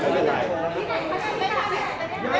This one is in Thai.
มันเป็นสิ่งที่เราไม่รู้สึกว่า